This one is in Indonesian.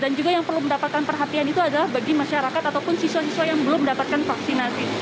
dan juga yang perlu mendapatkan perhatian itu adalah bagi masyarakat ataupun siswa siswa yang belum mendapatkan vaksinasi